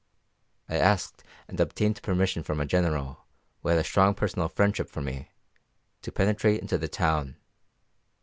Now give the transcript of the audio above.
I asked and obtained permission from our General, who had a strong personal friendship for me, to penetrate into the town.